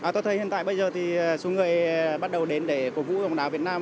tôi thấy hiện tại bây giờ thì số người bắt đầu đến để cổ vũ bóng đá việt nam